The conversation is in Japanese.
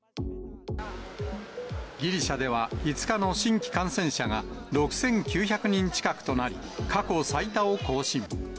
ギリシャでは、５日の新規感染者が６９００人近くとなり、過去最多を更新。